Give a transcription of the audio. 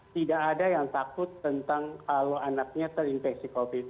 tidak ada yang takut tentang kalau anaknya terinfeksi covid